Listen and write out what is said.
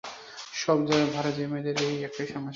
সব ভারতীয় মেয়েদের এই একই সমস্যা।